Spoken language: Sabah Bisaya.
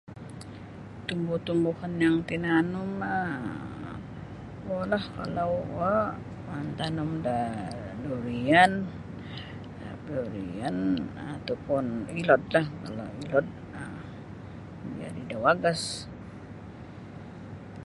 Tumbu-tumbuhan yang tinanum um kuolah kalau kuo mantanum da durian durian atau pun ilodlah kalau ilod um majadi da wagas.